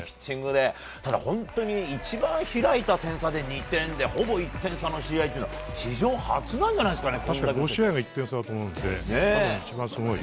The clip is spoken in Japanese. ただ、本当に一番開いた点差で２点で、ほぼ１点差の試合というのは史上初なんじゃないですかね。